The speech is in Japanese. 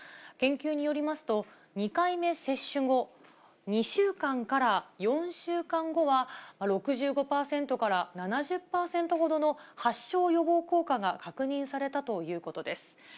研究によりますと、２回目接種後、２週間から４週間後は、６５％から７０％ほどの発症予防効果が確認されたということです。